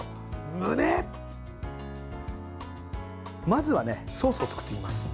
まずは、ソースを作っていきます。